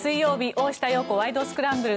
「大下容子ワイド！スクランブル」。